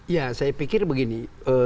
ya saya pikir begini